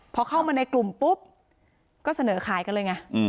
พอเข้ามาในกลุ่มปุ๊บก็เสนอขายกันเลยไง